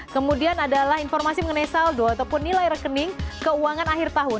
kemudian adalah informasi mengenai saldo ataupun nilai rekening keuangan akhir tahun